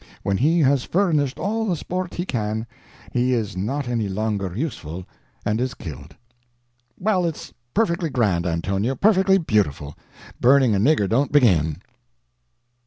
When he has furnished all the sport he can, he is not any longer useful, and is killed." "Well, it is perfectly grand, Antonio, perfectly beautiful. Burning a nigger don't begin."